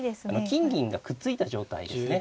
金銀がくっついた状態ですね。